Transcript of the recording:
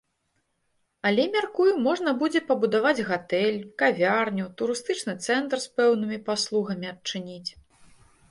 Але мяркую, можна будзе пабудаваць гатэль, кавярню, турыстычны цэнтр з пэўнымі паслугамі адчыніць.